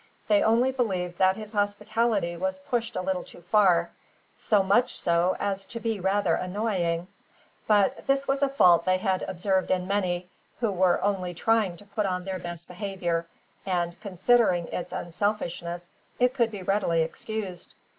They only believed that his hospitality was pushed a little too far, so much so as to be rather annoying. But this was a fault they had observed in many, who were only trying to put on their best behaviour, and, considering its unselfishness, it could be readily excused.